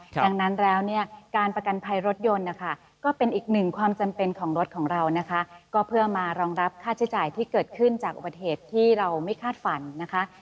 ดังนั้นแล้วเนี่ยการประกันภัยรถยนต์นะคะก็เป็นอีกหนึ่งความจำเป็นของรถของเรานะคะก็เพื่อมารองรับค่าใช้จ่ายที่เกิดขึ้นจากอุบัติเหตุที่เราไม่คาดฝันนะคะ